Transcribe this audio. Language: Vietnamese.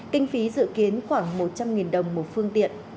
kinh phí dự kiến khoảng một trăm linh